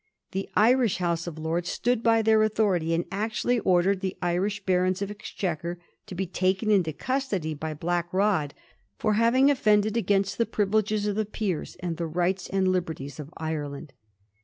The Irish House of Lords stood by their authority, and actually ordered the Irish Barons of Exchequer to be taken into custody by Black Rod for having ofiended against the privileges of the Peers and the rights and liberties of Ireland.